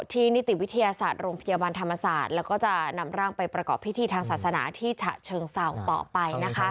นิติวิทยาศาสตร์โรงพยาบาลธรรมศาสตร์แล้วก็จะนำร่างไปประกอบพิธีทางศาสนาที่ฉะเชิงเศร้าต่อไป